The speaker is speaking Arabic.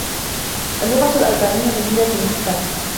اللّغة الألبانيّة جميلة جدّا.